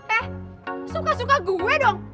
eh suka suka gue dong